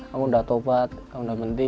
aku udah tobat aku udah menti